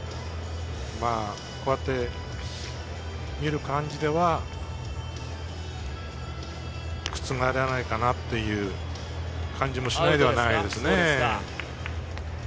こうやってみる感じでは覆らないかなっていう感じもしないではないですね。